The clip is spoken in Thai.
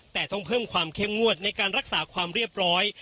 แต่ต้องเพิ่มความเข้มงวดในการรักษาความเรียบร้อย